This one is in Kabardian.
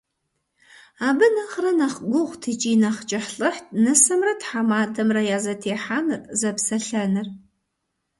Абы нэхърэ нэхъ гугъут икӏи нэхъ кӏыхьлӏыхьт нысэмрэ тхьэмадэмрэ я зэтехьэныр, зэпсэлъэныр.